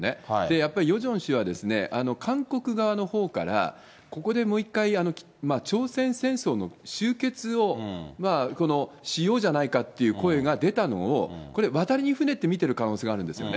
やっぱりヨジョン氏は、韓国側のほうから、ここでもう一回、朝鮮戦争の終結をしようじゃないかという声が出たのを、渡りに船って見てる可能性があるんですよね。